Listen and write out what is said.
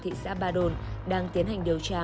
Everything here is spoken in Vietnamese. thị xã ba đồn đang tiến hành điều tra